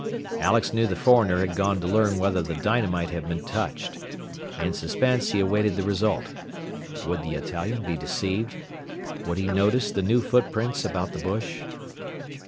Alex knew the foreigner had gone to learn whether the dynamite had been touched. In suspense he awaited the result. Would the Italian be deceived? Would he notice the new footprints about the bush?